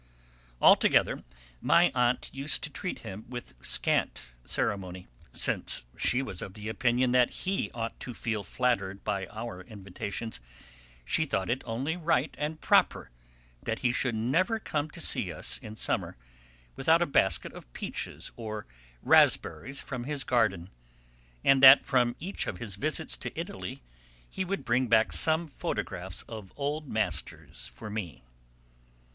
Altogether, my aunt used to treat him with scant ceremony. Since she was of the opinion that he ought to feel flattered by our invitations, she thought it only right and proper that he should never come to see us in summer without a basket of peaches or raspberries from his garden, and that from each of his visits to Italy he should bring back some photographs of old masters for me.